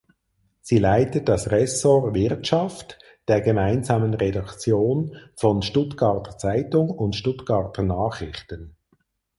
Sie leitet das Ressort „Wirtschaft“ der gemeinsamen Redaktion von "Stuttgarter Zeitung" und "Stuttgarter Nachrichten".